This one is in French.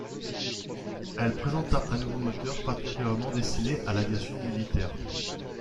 Elle présenta un nouveau moteur particulièrement destiné à l'aviation militaire.